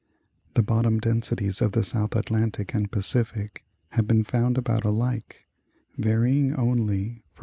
The bottom densities of the South Atlantic and Pacific have been found about alike, varying only from 1.